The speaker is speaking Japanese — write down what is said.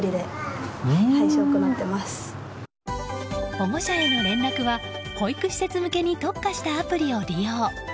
保護者への連絡は保育施設向けに特化したアプリを利用。